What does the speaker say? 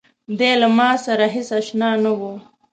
دی له ماسره هېڅ آشنا نه و.